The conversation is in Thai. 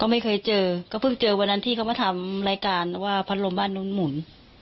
ไม่เคยเจอก็เพิ่งเจอวันนั้นที่เขามาทำรายการว่าพัดลมบ้านนู้นหมุน